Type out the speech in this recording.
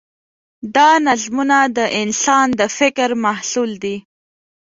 دا نظمونه د انسان د فکر محصول دي.